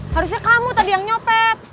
harusnya kamu tadi yang nyopet